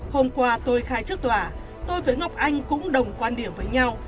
hôm qua tôi khai trước tòa tôi với ngọc anh cũng đồng quan điểm với nhau